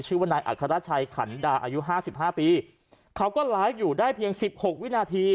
ชื่อว่านายอัฐรัชัยขันดาอายุ๕๕ปีเขาก็หลายอยู่ได้เพียง๑๖วินาที